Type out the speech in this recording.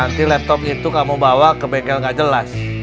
nanti laptop itu kamu bawa ke bengkel gak jelas